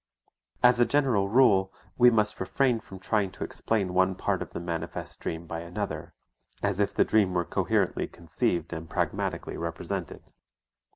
As a general rule we must refrain from trying to explain one part of the manifest dream by another, as if the dream were coherently conceived and pragmatically represented.